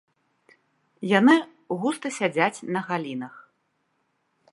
Яны густа сядзяць на галінах.